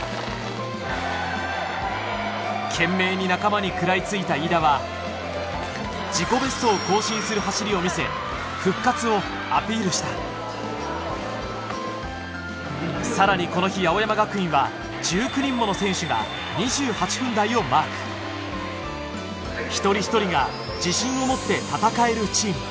懸命に仲間に食らい付いた飯田は自己ベストを更新する走りを見せ復活をアピールしたさらにこの日青山学院は１９人もの選手が２８分台をマーク１人１人が自信を持って戦えるチーム